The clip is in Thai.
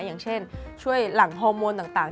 อย่างเช่นช่วยหลังฮอร์โมนต่าง